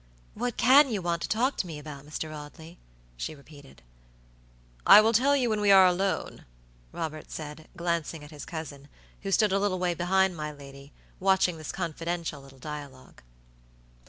"What can you want to talk to me about, Mr. Audley?" she repeated. "I will tell you when we are alone," Robert said, glancing at his cousin, who stood a little way behind my lady, watching this confidential little dialogue.